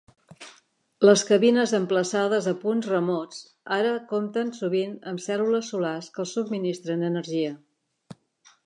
Les cabines emplaçades a punts remots ara compten sovint amb cèl·lules solars que els subministren energia.